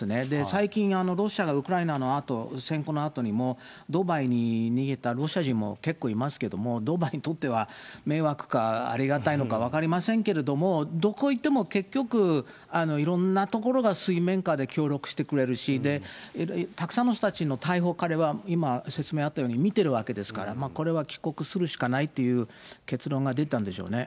最近、ロシアがウクライナの侵攻のあとにもドバイに逃げたロシア人も結構いますけれども、ドバイにとっては迷惑か、ありがたいのか分かりませんけれども、どこ行っても結局、いろんなところが水面下で協力してくれるし、たくさんの人たちの逮捕を、彼は今、説明あったように見てるわけですから、これは帰国するしかないという結論が出たんでしょうね。